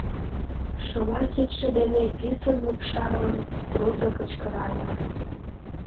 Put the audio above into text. - шола кидше дене писын лупшалын, трудо кычкырале.